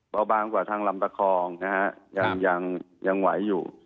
เบาบางกว่าทางลำประคองนะฮะยังไหวอยู่